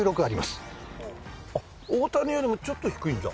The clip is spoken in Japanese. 大谷よりもちょっと低いんだ。